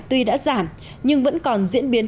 tuy đã giảm nhưng vẫn còn diễn biến